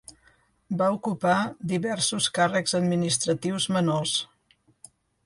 Va ocupar diversos càrrecs administratius menors.